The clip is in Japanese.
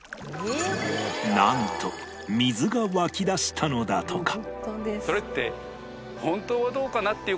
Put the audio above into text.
なんと水が湧き出したのだとか